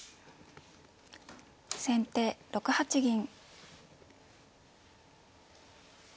先手６八銀。